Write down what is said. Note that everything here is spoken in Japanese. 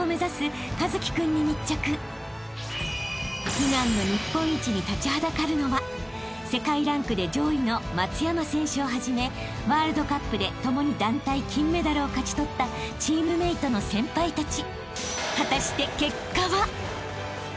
［悲願の日本一に立ちはだかるのは世界ランクで上位の松山選手をはじめワールドカップで共に団体金メダルを勝ち取ったチームメートの先輩たち］